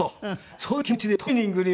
そういう気持ちでトレーニングに。